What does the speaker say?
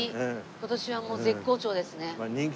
今年はもう絶好調ですね。